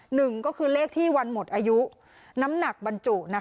หนึ่งก็คือเลขที่วันหมดอายุน้ำหนักบรรจุ